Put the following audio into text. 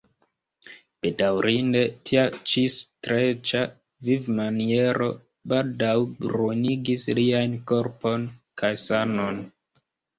Bedaŭrinde tia ĉi streĉa vivmaniero baldaŭ ruinigis liajn korpon kaj sanon.